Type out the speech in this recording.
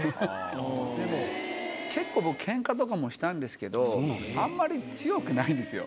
結構僕ケンカとかもしたんですけどあんまり強くないんですよ。